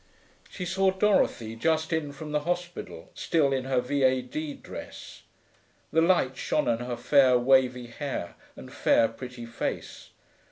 She saw Dorothy, just in from the hospital, still in her V.A.D. dress. The light shone on her fair wavy hair and fair pretty face.